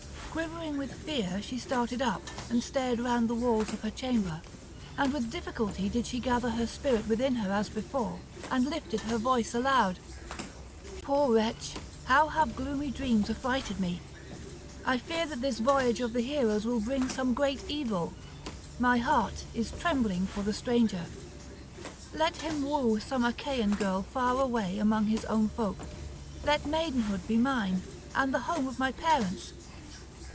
Quivering with fear she started up, and stared round the walls of her chamber, and with difficulty did she gather her spirit within her as before, and lifted her voice aloud: "Poor wretch, how have gloomy dreams affrighted me! I fear that this voyage of the heroes will bring some great evil. My heart is trembling for the stranger. Let him woo some Achaean girl far away among his own folk; let maidenhood be mine and the home of my parents.